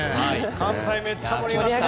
関西めっちゃ盛り上がりました。